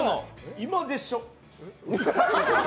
今でしょ。